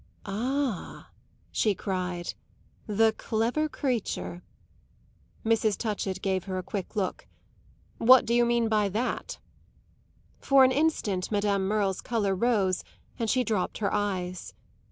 "Ah," she cried, "the clever creature!" Mrs. Touchett gave her a quick look. "What do you mean by that?" For an instant Madame Merle's colour rose and she dropped her eyes.